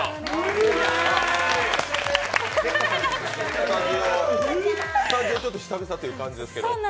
あら、スタジオちょっと久々という感じですけど。